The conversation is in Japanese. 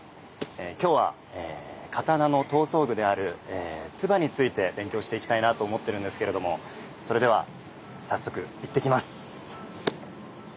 今日は刀の刀装具である鐔について勉強していきたいなと思ってるんですけれどもそれでは早速行ってきます。